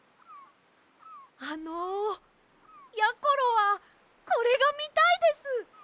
あのやころはこれがみたいです！